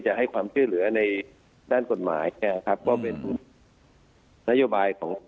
จะให้ความช่วยเหลือในด้านกฎหมายแกครับก็เป็นนโยบายของ